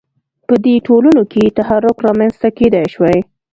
په دې ټولنو کې تحرک رامنځته کېدای شوای.